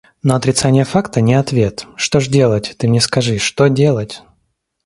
Но отрицание факта — не ответ. Что ж делать, ты мне скажи, что делать?